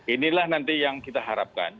inilah nanti yang kita harapkan